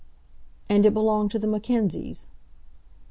"And it belonged to the Mackenzies."